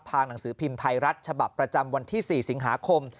หนังสือพิมพ์ไทยรัฐฉบับประจำวันที่๔สิงหาคม